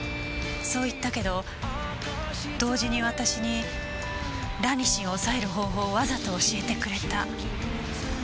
そう言ったけど同時に私にラニシンを抑える方法をわざと教えてくれた。